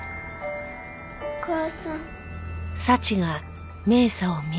お母さん。